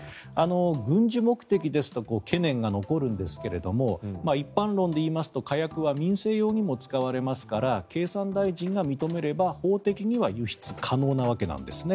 軍事目的ですと懸念が残るんですが一般論で言いますと火薬は民生用にも使われますから経産大臣が認めれば法的には輸出可能なわけです。